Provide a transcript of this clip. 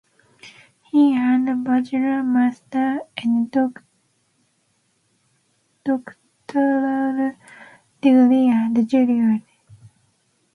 He earned Bachelors, Masters, and Doctoral degrees at Juilliard.